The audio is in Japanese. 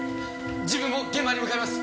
自分も現場に向かいます。